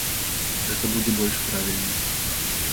Гэта будзе больш правільна.